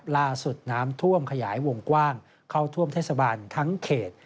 ล่าสุดน้ำท่วมขยายวงกว้างเข้าท่วมเทศบาลทั้งเขต